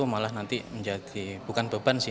malah nanti menjadi bukan beban sih